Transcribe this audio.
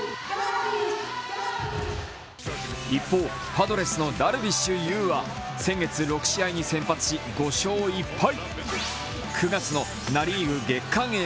一方、パドレスのダルビッシュ有は先月６試合に先発し、５勝１敗。